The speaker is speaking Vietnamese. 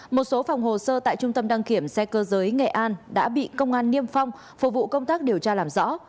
một số phòng hồ sơ tại trung tâm đăng kiểm xe cơ giới nghệ an đã bị công an niêm phong phục vụ công tác điều tra làm rõ